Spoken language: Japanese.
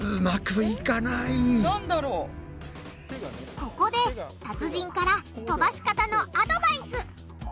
ここで達人から飛ばし方のアドバイス。